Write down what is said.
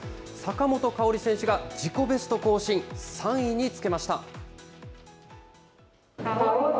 坂本花織選手が自己ベスト更新、３位につけました。